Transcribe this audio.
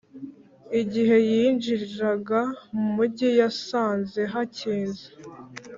Igihe yinjiraga mu mugi yasanze hakinze.